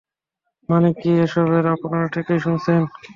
মানে কী এসবের--- আপনারা ঠিকই শুনেছেন।